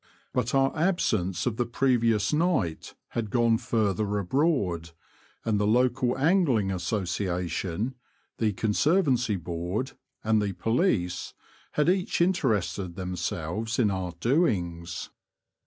But our absence of the previous night had gone further abroad, and the local Angling Association, the Conservancy Board, and the police had each interested themselves in our doings.